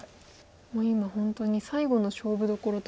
もう今本当に最後の勝負どころと。